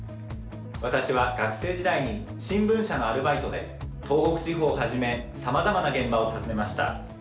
私は学生時代に新聞社のアルバイトで東北地方をはじめさまざまな現場を訪ねました。